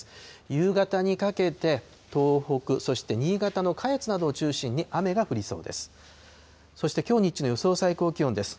夕方にかけて、東北、そして新潟の下越などを中心に雨が降りそうです。